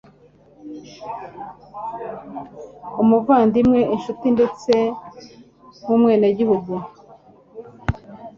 umuvandimwe, inshuti, ndetse nk'umwenegihugu